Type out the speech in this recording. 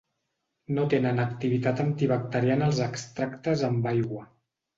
No tenen activitat antibacteriana els extractes amb aigua.